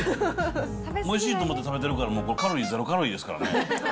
おいしいと思って食べてるから、これ、もうカロリー、０カロリーですからね。